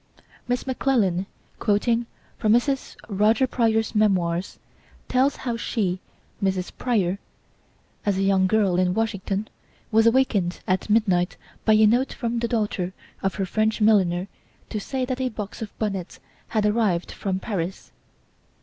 Miss McClellan, quoting from Mrs. Roger Pryor's Memoirs, tells how she, Mrs. Pryor, as a young girl in Washington, was awakened at midnight by a note from the daughter of her French milliner to say that a box of bonnets had arrived from Paris.